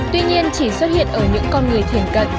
tuy nhiên chỉ xuất hiện ở những con người thiền cận